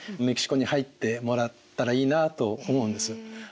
メキシコに入ってもらったらいいなと思うんです。